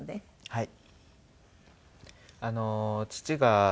はい。